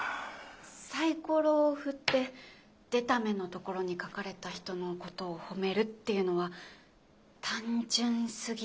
サイコロを振って出た目のところに書かれた人のことを褒めるっていうのは単純すぎますかね？